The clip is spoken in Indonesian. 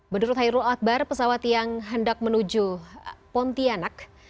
menurut hairul akbar pesawat yang hendak menuju pontianak